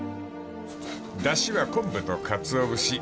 ［だしは昆布とかつお節